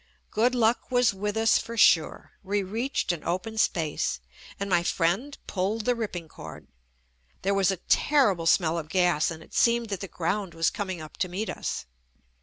Good luck was with us for sure. We reached an open space and my friend pulled the ripping cord. There was a terrible smell of gas and it seemed that the ground was coming up to meet us.